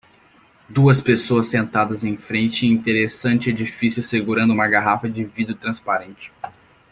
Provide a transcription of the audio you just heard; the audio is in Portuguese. Duas pessoas sentadas em frente e interessante edifício segurando uma garrafa de vidro transparente.